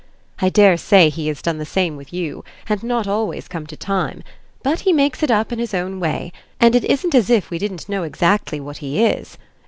"I dare say he has done the same with you, and not always come to time. But he makes it up in his own way and it isn't as if we didn't know exactly what he is.